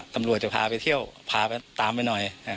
ตำรวจจะพาไปเที่ยวพาไปตามไปหน่อย